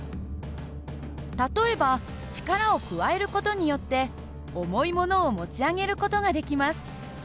例えば力を加える事によって重いものを持ち上げる事ができます。